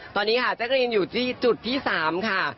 ตอนนี้ค่ะแจ๊กรีนอยู่ที่จุดที่๓ค่ะ